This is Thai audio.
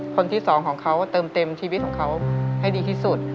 คนที่สองของเขาเติมเต็มชีวิตของเขาให้ดีที่สุด